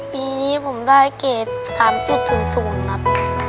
ปีนี้ผมได้เกรด๓๐๐ครับ